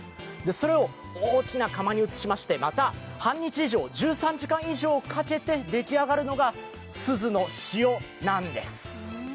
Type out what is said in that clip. それを大きな窯に移しまして、半日以上、１３時間以上かけて出来上がるのが珠洲の塩なんです。